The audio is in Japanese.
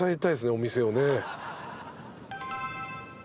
お店をね。